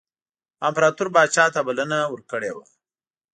امپراطور پاچا ته بلنه ورکړې وه.